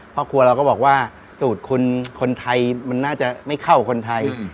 ครอบครัวเราก็บอกว่าสูตรคนไทยมันน่าจะไม่เข้าคนไทย